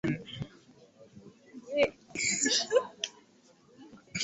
kipaza sauti kinafanya kazi kubwa sana